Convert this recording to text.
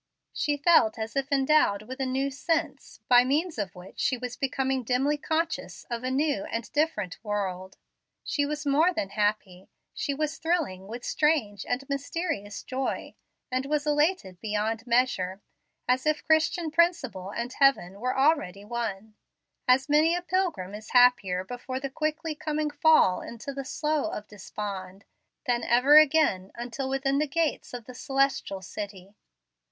She felt as if endowed with a new sense, by means of which she was becoming dimly conscious of a new and different world. She was more than happy: she was thrilling with strange and mysterious joy, and was elated beyond measure, as if Christian principle and heaven were already won; as many a pilgrim is happier before the quickly coming fall into the "Slough of Despond" than ever again until within the gates of the Celestial City.